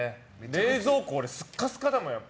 冷蔵庫スカスカだもん。